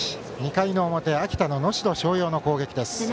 ２回の表、秋田の能代松陽の攻撃です。